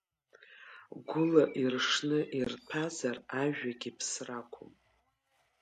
Гәыла иршны ирҭәазар ажәагьы ԥсрақәым.